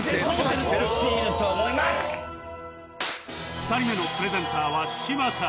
２人目のプレゼンターは嶋佐